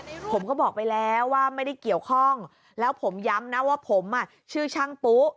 ผมก็บอกไปแล้วว่าไม่ได้เกี่ยวข้องแล้วผมย้ำนะว่าผมอ่ะชื่อช่างปุ๊